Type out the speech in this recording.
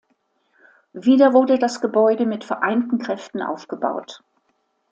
Wieder wurde das Gebäude mit vereinten Kräften aufgebaut.